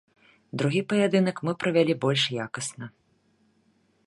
Другі паядынак мы правялі больш якасна.